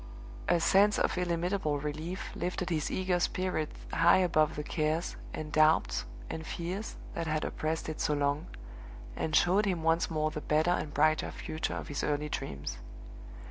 A sense of illimitable relief lifted his eager spirit high above the cares, and doubts, and fears that had oppressed it so long, and showed him once more the better and brighter future of his early dreams.